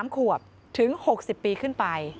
๓ขวบถึง๖๐ปีขึ้นไป